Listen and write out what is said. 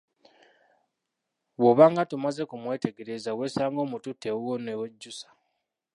Bw’obaaanga tomaze kumwetegereza weesanga omututte ewuwo newejjusa.